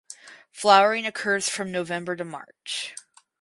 Flowering occurs from November to March.